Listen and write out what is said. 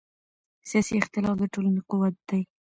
سیاسي اختلاف د ټولنې قوت دی